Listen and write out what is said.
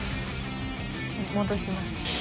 戻します。